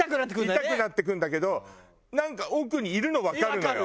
痛くなってくるんだけどなんか奥にいるのわかるのよ。